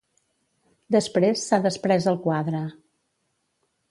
Després s'ha desprès el quadre.